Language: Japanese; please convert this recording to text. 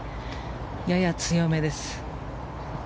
やや強めです。